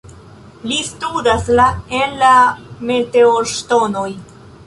Li studas la en la meteorŝtonoj.